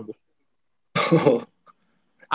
tapi itu juga perang ya